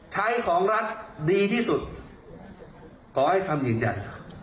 ใช้ของรัฐดีที่สุดขอให้คำยืนยัน